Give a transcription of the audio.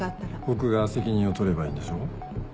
僕が責任を取ればいいんでしょ？